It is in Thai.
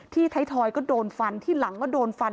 ไทยทอยก็โดนฟันที่หลังก็โดนฟัน